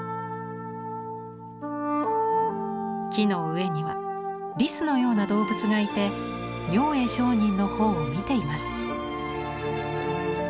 木の上にはリスのような動物がいて明恵上人の方を見ています。